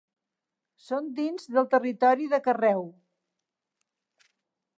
Són dins del territori de Carreu.